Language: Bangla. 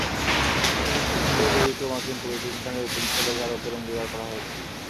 অস্ত্র বিক্রির সঙ্গে জড়িত মার্কিন প্রতিষ্ঠানের ওপর নিষেধাজ্ঞা আরোপের অঙ্গীকার করা হয়েছে।